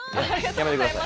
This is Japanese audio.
やめてください。